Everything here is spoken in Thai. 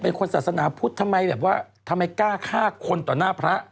เป็นคนศาสนาพุทธทำไมกล้าฆ่าคนต่อหน้าพระ